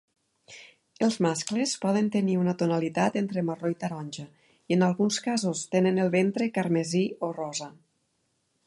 Els mascles poden tenir una tonalitat entre marró i taronja i, en alguns casos, tenen el ventre carmesí o rosa.